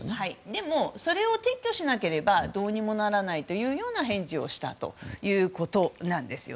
でも、それを撤去しなければどうにもならないというような返事をしたということなんです。